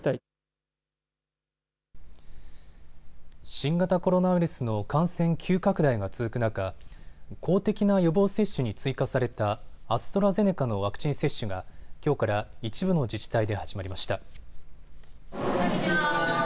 新型コロナウイルスの感染急拡大が続く中、公的な予防接種に追加されたアストラゼネカのワクチン接種がきょうから一部の自治体で始まりました。